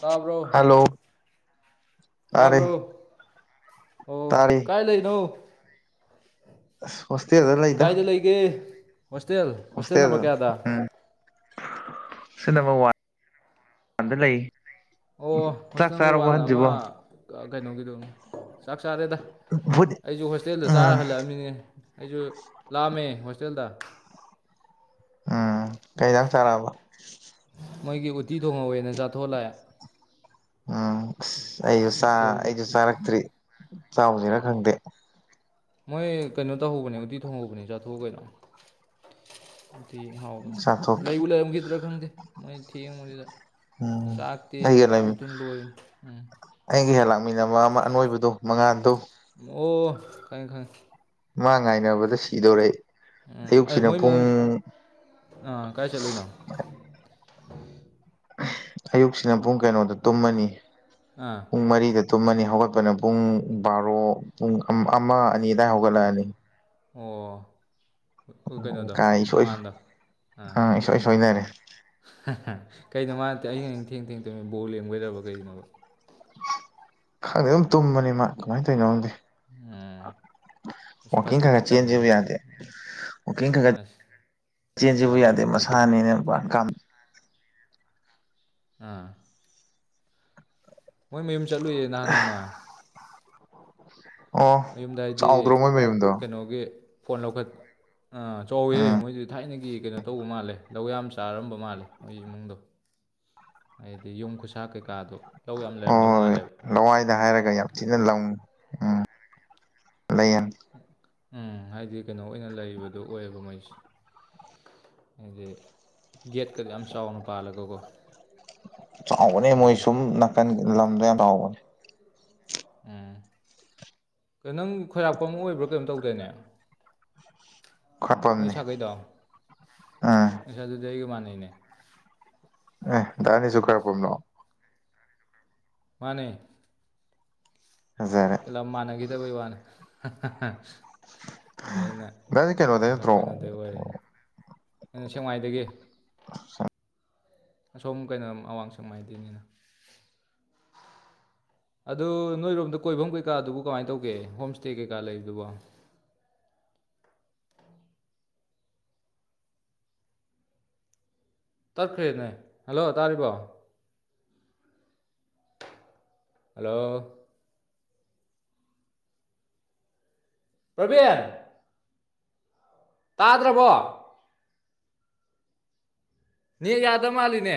ꯇꯥꯕ꯭ꯔꯣ ꯍꯜꯂꯣ ꯇꯥꯔꯦ ꯇꯕ꯭ꯔꯣ ꯑꯣ ꯇꯥꯔꯦ ꯀꯥꯏ ꯂꯩꯅꯣ ꯍꯁꯇꯦ ꯑꯗꯨꯗꯂ ꯏꯗ ꯀꯥꯏꯗ ꯂꯩꯒꯦ ꯍꯣꯁꯇꯦꯜ ꯍꯣꯁꯇꯦꯜ ꯅꯝꯕꯔ ꯀꯌꯥꯗ ꯎꯝ ꯁꯤ ꯅꯝꯕꯔ ꯋꯥꯟ ꯋꯥꯟꯗ ꯂꯩ ꯑꯣ ꯍꯣꯁꯇꯦꯜ ꯆꯥꯛ ꯅꯝꯕꯔ ꯆꯥꯔꯕꯣ ꯋꯥꯟ ꯑꯃ ꯍꯟꯁꯤꯕꯣ ꯀꯩꯅꯣꯒꯤꯗ ꯆꯥꯛ ꯆꯥꯔꯦꯗ ꯕꯨꯠ ꯑꯩꯁꯨ ꯍꯣꯁꯇꯦꯜꯗ ꯎꯝ ꯆꯥꯔ ꯍꯜꯂꯛꯑꯃꯤꯅꯦ ꯑꯩꯁꯨ ꯂꯥꯑꯝꯃꯦ ꯍꯣꯁꯇꯦꯜꯗ ꯎꯝ ꯀꯩꯗꯪ ꯆꯥꯔꯛꯑꯕ ꯃꯣꯏꯒꯤ ꯎꯠꯇꯤ ꯊꯣꯡꯍꯧꯋꯦꯅ ꯆꯥꯊꯣꯛꯂꯛꯑꯦ ꯎꯝ ꯑ ꯑꯩꯁꯨ ꯑꯩꯁꯨ ꯆꯥꯔꯛꯇ꯭ꯔꯤ ꯆꯥꯎꯁꯤꯅ ꯈꯪꯗꯦ ꯃꯣꯏ ꯀꯩꯅꯣ ꯇꯧꯍꯧꯕꯅꯦ ꯎꯇꯤ ꯊꯣꯡꯍꯧꯕꯅꯦ ꯆꯥꯊꯣꯛꯎ ꯀꯩꯅꯣ ꯑꯗꯨꯛꯇꯤ ꯍꯥꯎꯕꯅꯤ ꯆꯥꯊꯣꯛꯀꯦ ꯂꯩꯕꯨ ꯂꯩꯔꯝꯈꯤꯗ꯭ꯔꯥ ꯈꯪꯗꯦ ꯃꯣꯏ ꯊꯦꯡꯕꯗꯨꯗ ꯎꯝ ꯆꯥꯛꯇꯤ ꯑꯩꯒ ꯊꯨ ꯂꯩꯃꯤ ꯊꯨꯅ ꯂꯣꯏꯕꯅꯤ ꯎꯝ ꯇꯥꯛꯃꯤꯟꯅꯕ ꯑꯃ ꯑꯅꯣꯏꯕꯗꯣ ꯃꯉꯥꯟꯜꯗꯣ ꯑꯣ ꯈꯥꯏ ꯈꯥꯏ ꯃꯥ ꯉꯥꯏꯅꯕꯗ ꯁꯤꯗꯣꯔꯔꯛꯦ ꯎꯝ ꯑꯦ ꯃꯣꯏ ꯃꯟ ꯑꯥ ꯀꯥꯏ ꯆꯠꯂꯣꯏꯏꯅꯣ ꯎꯝ ꯑꯌꯨꯛꯁꯤꯅ ꯄꯨꯡ ꯀꯩꯅꯣꯗ ꯇꯨꯝꯃꯅꯤ ꯑꯥ ꯄꯨꯡ ꯃꯔꯤꯗ ꯇꯨꯝꯃꯅꯤ ꯍꯧꯒꯠꯄꯅ ꯄꯨꯡ ꯕꯥꯔꯣ ꯄꯨꯡ ꯑꯃ ꯑꯅꯤ ꯑꯗꯨꯋꯥꯏ ꯍꯧꯒꯠꯂꯛꯑꯅꯤ ꯑꯣ ꯀꯩꯅꯣꯗꯣ ꯀꯥꯏ ꯏꯁꯣꯏ ꯃꯉꯥꯟꯗꯣ ꯑꯥ ꯏꯁꯣꯏ ꯁꯣꯏꯅꯔꯦ ꯀꯩꯅꯣ ꯃꯥ ꯅꯠꯇꯦ ꯑꯩ ꯍ ꯊꯦꯡ ꯊꯦꯡ ꯇꯣꯏ ꯕꯣꯜ ꯂꯦꯝꯒꯣꯏꯗꯕ ꯀꯩꯒꯤꯣ ꯈꯪꯗꯦ ꯑꯗꯨꯝ ꯇꯨꯝꯕꯅꯤ ꯃꯥ ꯀꯃꯥꯏꯅ ꯇꯧꯅꯣꯪꯗꯤ ꯑ ꯐꯠꯇꯤ ꯐꯠꯇꯕꯅꯦ ꯋꯥꯛꯀꯤꯡ ꯈꯔ ꯈꯔ ꯑꯁ ꯆꯦꯟꯁꯤꯕꯨ ꯌꯥꯔꯣꯏ ꯌꯥꯗꯦ ꯑꯗꯨꯗꯤ ꯑꯗꯨꯗꯤ ꯃꯁꯥꯅꯤꯅꯦ ꯀ ꯑꯥ ꯃꯣꯏ ꯃꯌꯨꯝ ꯆꯠꯂꯨꯏꯌꯦ ꯅꯍꯥꯟ ꯅꯣꯡꯃꯥ ꯑꯣ ꯍꯥꯏꯗꯤ ꯆꯥꯎꯗ꯭ꯔꯣ ꯃꯣꯏ ꯃꯌꯨꯝꯗꯣ ꯀꯩꯅꯣꯒꯤ ꯐꯣꯟ ꯂꯧꯈꯠ ꯑꯥ ꯆꯥꯎꯋꯦ ꯃꯣꯏꯁꯤ ꯊꯥꯏꯅꯒꯤ ꯀꯩꯅꯣ ꯇꯧꯕ ꯃꯥꯜꯂꯦ ꯂꯧ ꯌꯥꯝ ꯆꯥꯔꯝꯕ ꯃꯥꯜꯂꯦ ꯃꯣꯏ ꯏꯃꯨꯡꯗꯣ ꯍꯥꯏꯗꯤ ꯌꯨꯝ ꯈꯨꯁꯥ ꯀꯩꯀꯥꯗꯣ ꯂꯧ ꯌꯥꯝ ꯂꯩꯔꯝꯗꯧ ꯍꯣꯏ ꯃꯥꯜꯂꯦꯕ ꯂꯋꯥꯏꯗ ꯍꯥꯏꯔꯒ ꯌꯥꯝ ꯊꯤꯅ ꯂꯪꯉꯤ ꯎꯝ ꯂꯩꯌꯦꯟ ꯎꯝ ꯍꯥꯏꯗꯤ ꯀꯩꯅꯣ ꯑꯣꯏꯅ ꯂꯩꯕꯗꯣ ꯑꯣꯏꯌꯦꯕ ꯃꯩꯁꯦ ꯍꯥꯏꯗꯤ ꯒꯦꯠꯀ ꯌꯥꯝ ꯆꯥꯎꯅ ꯄꯥꯜꯂꯒꯀꯣ ꯆꯥꯎꯕꯅꯦ ꯃꯣꯏ ꯑꯗꯨꯅꯤ ꯁꯨꯝ ꯅꯥꯀꯟꯒꯤ ꯂꯝꯗ ꯌꯥꯝ ꯆꯥꯎꯕꯅꯦ ꯎꯝꯣ ꯅꯪ ꯈꯣꯏꯔꯥꯛꯄ ꯑꯃ ꯑꯣꯏꯕ꯭ꯔꯥ ꯀꯩꯅꯣꯝ ꯇꯧꯗꯣꯏꯅꯦ ꯅꯩ ꯈꯔꯄꯝꯅꯤ ꯁꯥꯥꯒꯩꯗꯣ ꯑꯥ ꯅꯁ ꯑꯗꯨꯗꯩ ꯌꯃꯥꯟꯅꯦ ꯑꯦ ꯇꯅꯤꯁꯨꯖꯨ ꯈꯔꯄꯨꯝꯅ ꯃꯥꯅꯦ ꯐꯖꯔꯦ ꯀꯌꯥꯝ ꯃꯥꯟꯅꯈꯤꯗꯕꯩ ꯋꯥꯅꯦ ꯑꯗ ꯑꯩꯅ ꯗꯥꯗꯤ ꯀꯩꯅꯣꯗꯩ ꯑꯁꯝ ꯅꯠꯇ꯭ꯔꯣ ꯀꯩꯅꯣꯗꯩ ꯑꯣꯏꯔꯅꯤ ꯑꯁꯦꯡꯋꯥꯥꯏꯗꯒꯤꯦ ꯑꯁꯣꯝ ꯀꯩꯅꯣ ꯑꯋꯥꯡ ꯁꯪ ꯍꯥꯏꯥꯏꯗꯣꯏꯅꯤꯅ ꯑ ꯑꯗꯨ ꯅꯣꯏꯔꯣꯝꯗ ꯀꯣꯏꯐꯝ ꯀꯩꯀꯥꯗꯨꯕꯨ ꯀꯃꯥꯏꯅ ꯇꯧꯒꯦ ꯍꯣꯝ ꯏꯁꯇꯦ ꯀꯩꯀꯥ ꯂꯩꯕꯗꯨꯕ ꯇꯠꯈ꯭ꯔꯦꯅꯦ ꯍꯜꯂꯣ ꯇꯥꯔꯤꯕꯣ ꯍꯂꯣ ꯔꯕꯤꯦꯟ ꯇꯥꯗ꯭ꯔꯕꯣ ꯅ ꯌꯥꯗ ꯃꯥꯜꯂꯤꯅꯦ